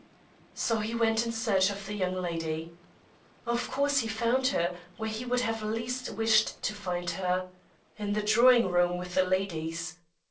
So he went in search of the young lady. Of course he found her where he would have least wished to find her in the drawing room with the ladies.